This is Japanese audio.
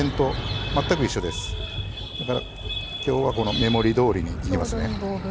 だからきょうはこの目盛りどおりに入れますね。